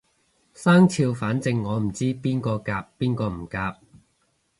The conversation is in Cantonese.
生肖反正我唔知邊個夾邊個唔夾